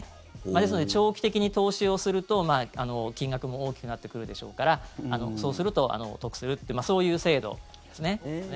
ですので長期的に投資をすると金額も大きくなってくるでしょうからそうすると得するっていうそういう制度なんですね。